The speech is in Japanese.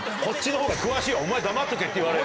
「お前黙っとけ」って言われる。